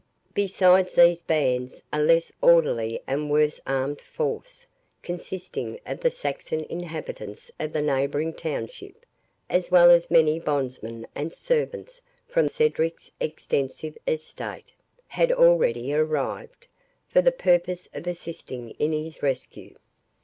Besides these bands, a less orderly and a worse armed force, consisting of the Saxon inhabitants of the neighbouring township, as well as many bondsmen and servants from Cedric's extensive estate, had already arrived, for the purpose of assisting in his rescue.